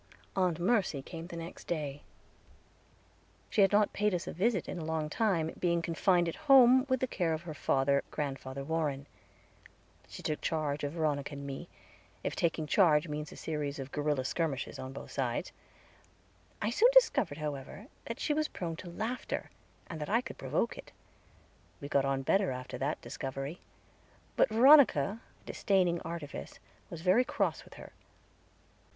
Aunt Mercy came the next day. She had not paid us a visit in a long time, being confined at home with the care of her father, Grandfather Warren. She took charge of Veronica and me, if taking charge means a series of guerilla skirmishes on both sides. I soon discovered, however, that she was prone to laughter, and that I could provoke it; we got on better after that discovery; but Veronica, disdaining artifice, was very cross with her.